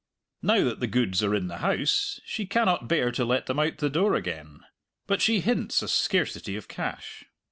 Now that the goods are in the house, she cannot bear to let them out the door again. But she hints a scarcity of cash.